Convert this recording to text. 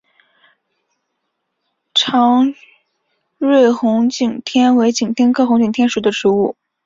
长蕊红景天为景天科红景天属的植物。